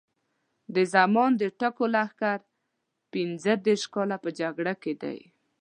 د زمان د ټکو لښکر پینځه دېرش کاله په جګړه کې دی.